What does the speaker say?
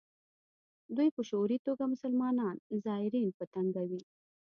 دوی په شعوري توګه مسلمان زایرین په تنګوي.